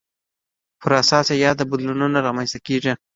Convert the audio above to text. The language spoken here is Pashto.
پر اساس یې یاد بدلونونه رامنځته کېږي.